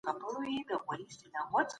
د الله حقونه باید تر پښو لاندي نه سي.